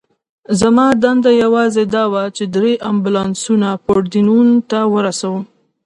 زما دنده یوازې دا وه، چې درې امبولانسونه پورډینون ته ورسوم.